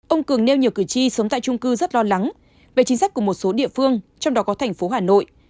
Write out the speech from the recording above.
ông cường nêu nhiều cử tri sống tại trung cư rất lo lắng về chính sách của một số địa phương trong đó có thành phố hà nội